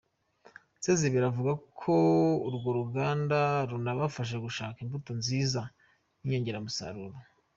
Sezibera avuga ko urwo ruganda runabafasha gushaka imbuto nziza n’inyongeramusaruro.